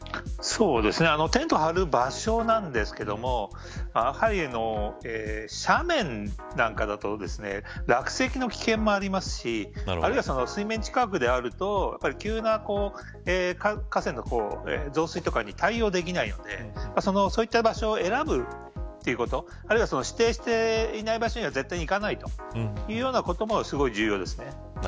テントを張る場所なんですけれどもやはり斜面なんかだと落石の危険もありますしあるいは水面近くであると急な河川の増水とかに対応できないのでそういった場所を選ぶということあるいは指定していない場所には絶対に行かないというようなこともすごく重要ですね。